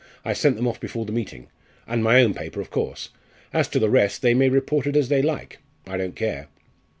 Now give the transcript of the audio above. I sent them off before the meeting. And my own paper, of course. As to the rest they may report it as they like. I don't care."